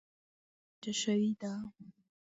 ځمکه وچه شوې ده.